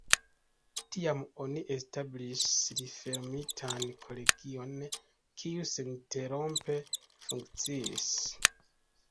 Tiam oni establis reformitan kolegion, kiu seninterrompe funkciis.